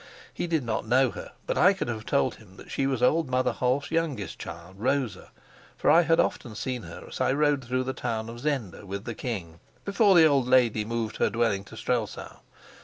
He did not know her, but I could have told him that she was old Mother Holf's youngest child, Rosa, for I had often seen her as I rode through the town of Zenda with the king, before the old lady moved her dwelling to Strelsau.